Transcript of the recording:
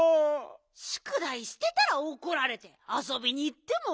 しゅくだいしてたらおこられてあそびにいってもおこられて。